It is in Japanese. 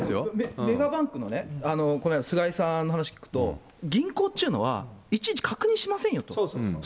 メガバンクのね、菅井さんの話聞くと、銀行っちゅうのは、いちいち確認しませんよと。